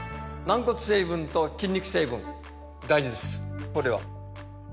軟骨成分と筋肉成分大事です